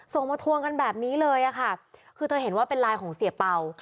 ส่งมาทวงกันแบบนี้เลยอะค่ะคือเธอเห็นว่าเป็นไลน์ของเสียเป่า